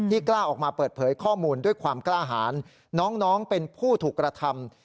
กล้าออกมาเปิดเผยข้อมูลด้วยความกล้าหารน้องเป็นผู้ถูกกระทำ